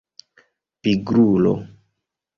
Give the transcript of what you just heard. pigrulo